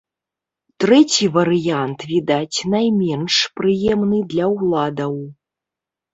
Трэці варыянт, відаць, найменш прыемны для ўладаў.